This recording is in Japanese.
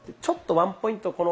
ちょっとワンポイント